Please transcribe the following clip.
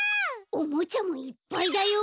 おもちゃもいっぱいだよ！